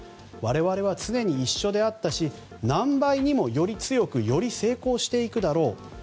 我々は常に一緒であったし何倍にも、より強くより成功していくだろう。